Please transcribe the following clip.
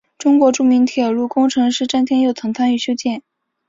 中国著名铁路工程师詹天佑曾参与修建。